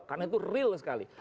karena itu real sekali